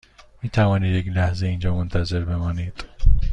می توانید یک لحظه اینجا منتظر بمانید؟